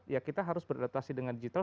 ya kita harus beradaptasi dengan digital